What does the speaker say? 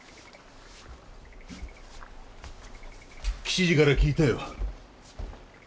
吉次から聞いたよ。